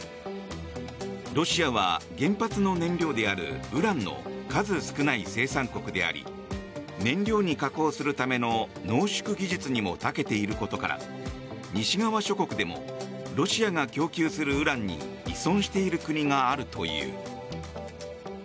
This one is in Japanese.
ロシアは原発の燃料であるウランの数少ない生産国であり燃料に加工するための濃縮技術にもたけていることから西側諸国でもロシアが供給するウランに依存している国があるという。